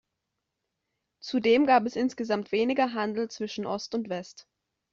Zudem gab es insgesamt weniger Handel zwischen Ost und West.